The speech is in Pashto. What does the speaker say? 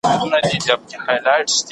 نه خاطر گوري د وروڼو نه خپلوانو